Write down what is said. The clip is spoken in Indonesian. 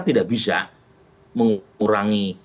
tidak bisa mengurangi